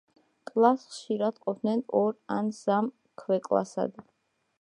კლასს ხშირად ყოფდნენ ორ ან სამ ქვეკლასად.